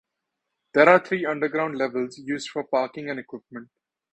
There are three underground levels used for parking and equipment.